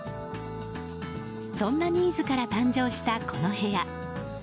そんなニーズから誕生したこの部屋。